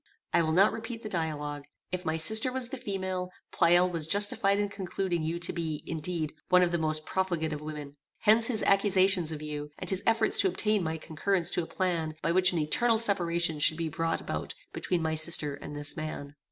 I will not repeat the dialogue. If my sister was the female, Pleyel was justified in concluding you to be, indeed, one of the most profligate of women. Hence, his accusations of you, and his efforts to obtain my concurrence to a plan by which an eternal separation should be brought about between my sister and this man."